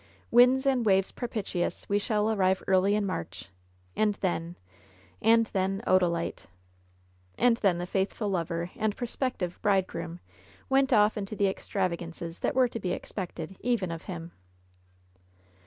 Winds and waves propitious, we shall arrive early in March, and then — and then, Odalite ——" 64 LOVE'S BITTEREST CUP And then the faithful lover and prospective bride groom went off into the extravagances that were to be expected, even of him.